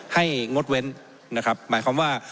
ให้งดเว้นหมายความว่า